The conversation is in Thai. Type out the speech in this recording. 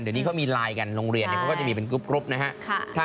เดี๋ยวนี้เขามีไลน์กันโรงเรียนเขาก็จะมีเป็นกรุ๊ปนะฮะ